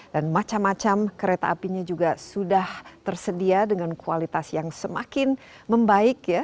dan macam macam kereta apinya juga sudah tersedia dengan kualitas yang semakin membaik ya